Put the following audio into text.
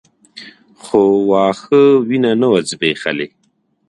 خو واښه وينه نه وه ځبېښلې.